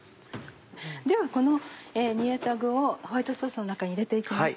ではこの煮えた具をホワイトソースの中に入れて行きます。